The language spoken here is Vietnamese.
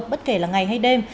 bất kể là ngày hay đêm